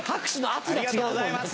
ありがとうございます。